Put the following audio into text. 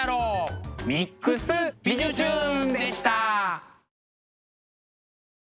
「ＭＩＸびじゅチューン！」でした。